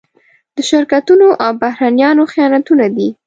د شرکتونو او بهرنيانو خیانتونه دي.